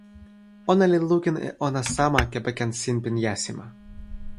ona li lukin e ona sama kepeken sinpin jasima.